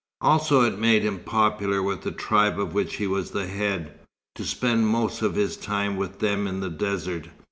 Also it made him popular with the tribe of which he was the head, to spend most of his time with them in the desert.